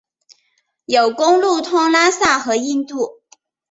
有公路通拉萨和印度。